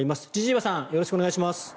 よろしくお願いします。